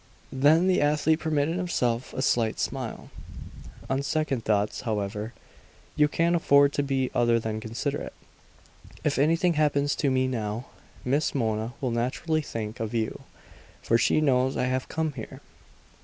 Then the athlete permitted himself a slight smile. "On second thoughts, however, you can't afford to be other than considerate. If anything happens to me now, Miss Mona will naturally think of you; for she knows I have come here!"